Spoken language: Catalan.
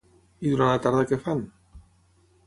I durant la tarda què fan?